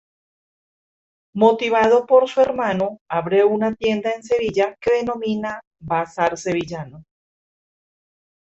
Motivado por su hermano abre una tienda en Sevilla que denomina "Bazar Sevillano".